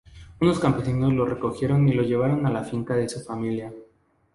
Unos campesinos lo recogieron y lo llevaron a la finca de su familia.